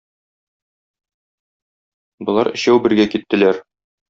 Болар өчәү бергә киттеләр.